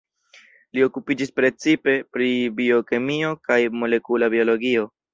Li okupiĝis precipe pri biokemio kaj molekula biologio.